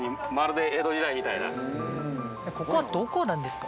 ここはどこなんですか？